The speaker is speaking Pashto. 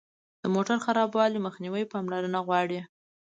د موټر خرابوالي مخنیوی پاملرنه غواړي.